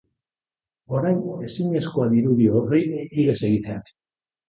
Orain ezinezkoa dirudi horri ihes egiteak.